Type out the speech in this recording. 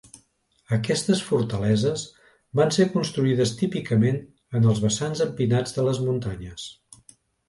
Aquestes fortaleses van ser construïdes típicament en els vessants empinats de les muntanyes.